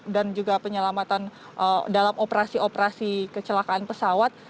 dan juga penyelamatan dalam operasi operasi kecelakaan pesawat